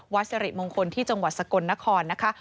วัดเสร็จมงคลที่จังหวัดสกลนครนะคะ